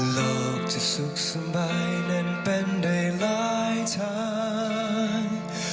โลกจะสุขสบายนั้นเป็นได้หลายทาง